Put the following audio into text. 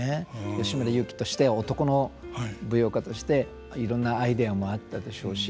吉村雄輝として男の舞踊家としていろんなアイデアもあったでしょうし。